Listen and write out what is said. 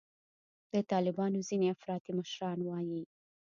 د طالبانو ځیني افراطي مشران وایي